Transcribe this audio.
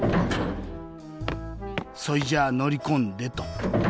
そいじゃあのりこんでと。